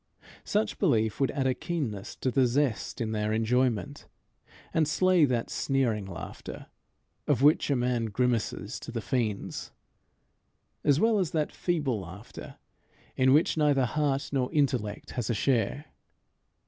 Such belief would add a keenness to the zest in their enjoyment, and slay that sneering laughter of which a man grimaces to the fiends, as well as that feeble laughter in which neither heart nor intellect has a share.